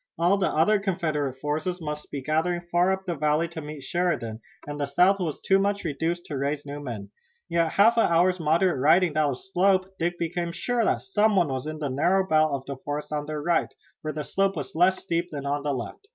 All the other Confederate forces must be gathering far up the valley to meet Sheridan, and the South was too much reduced to raise new men. Yet after a half hour's moderate riding down the slope Dick became sure that some one was in the narrow belt of forest on their right, where the slope was less steep than on their left.